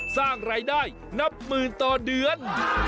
สร้างรายได้นับหมื่นต่อเดือน